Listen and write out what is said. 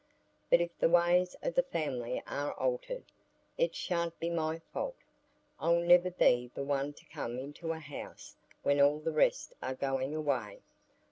But if the ways o' the family are altered, it sha'n't be my fault; I'll never be the one to come into a house when all the rest are going away.